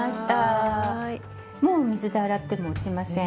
もう水で洗っても落ちません。